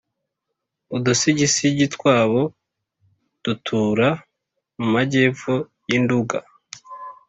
udusigisigi twabo dutura mu majyepfo y'i nduga